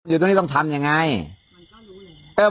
อยู่ตรงนี้ต้องทำยังไง